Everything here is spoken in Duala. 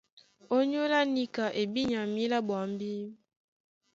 ÓnyÓlá níka e bí nya mǐlá ɓwambí?